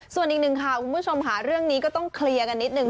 ส่วนอีกหนึ่งข่าวคุณผู้ชมค่ะเรื่องนี้ก็ต้องเคลียร์กันนิดนึง